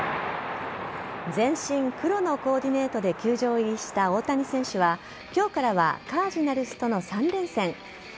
全身黒のコーディネートで球場入りした大谷選手は今日からはカージナルスとの３連戦。